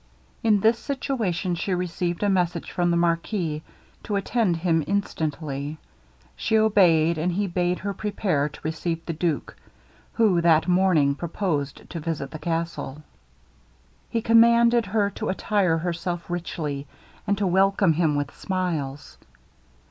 In this situation she received a message from the marquis to attend him instantly. She obeyed, and he bade her prepare to receive the duke, who that morning purposed to visit the castle. He commanded her to attire herself richly, and to welcome him with smiles.